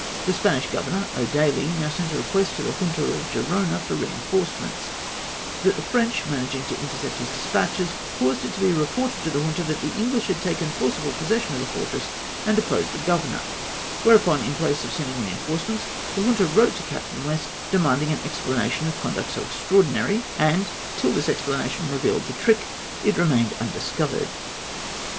The Spanish governor, O'Daly, now sent a request to the Junta of Gerona for reinforcements ; but the French, managing to intercept his despatches, caused it to be reported to the Junta that the Enghsli had taken forcible possession of the fortress, and deposed the governor ; whereupon, in place of sending reinforce ments, tlie Junta wrote to Captain West, demanding an explanation of conduct so extraordinary, and, till this explanation revealed the trick, it remained undiscovered.